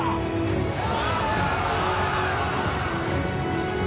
お！